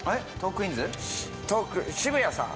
渋谷さん。